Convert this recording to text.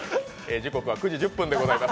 時刻は９時１０分でございます。